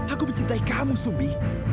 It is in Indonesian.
aku mencintai kamu sumi